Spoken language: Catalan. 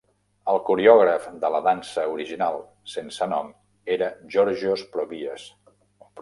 El coreògraf de la dansa original sense nom era Giorgos Provias.